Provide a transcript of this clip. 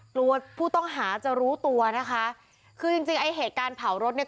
กลัวผู้ต้องหาจะรู้ตัวนะคะคือจริงจริงไอ้เหตุการณ์เผารถเนี่ย